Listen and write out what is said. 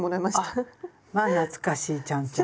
あっまあ懐かしいちゃんちゃんこ。